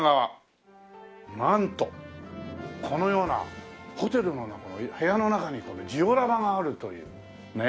なんとこのようなホテルの中の部屋の中にこのジオラマがあるというね。